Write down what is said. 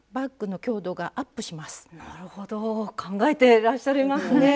なるほど考えていらっしゃいますね。